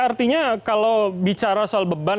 artinya kalau bicara soal beban